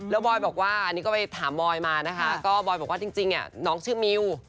แล้วบอยบอกว่าอันนี้ก็ไปถามบอยมานะคะก็บอยบอกว่าจริงน้องชื่อมิว